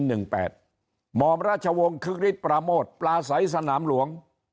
หมอมราชวงศ์คึกฤทธปราโมทปลาใสสนามหลวง